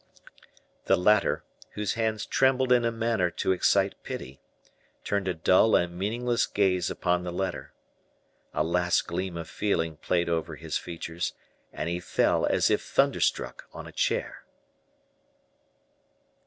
The latter, whose hands trembled in a manner to excite pity, turned a dull and meaningless gaze upon the letter. A last gleam of feeling played over his features, and he fell, as if thunder struck, on a chair.